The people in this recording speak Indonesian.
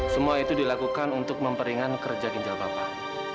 semua itu dilakukan untuk memperingan kerja kinjal bapak